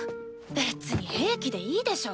別に兵器でいいでしょ。